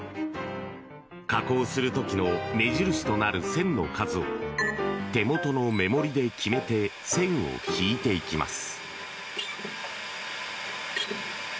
加工する時の目印となる線の数を手元の目盛りで決めて線を引いていきます。